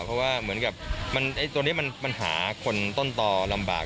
เพราะว่าเหมือนกับตัวนี้มันหาคนต้นต่อลำบาก